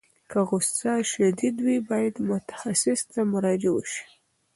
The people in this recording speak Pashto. که غوسه شدید وي، باید متخصص ته مراجعه وشي.